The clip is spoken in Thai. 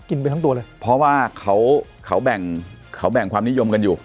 กินไปทั้งตัวเลยเพราะว่าเขาเขาแบ่งเขาแบ่งความนิยมกันอยู่